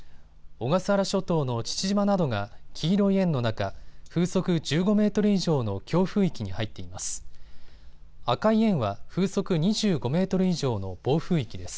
小笠原諸島の父島などが黄色い円の中、風速１５メートル以上の強風域に入っています。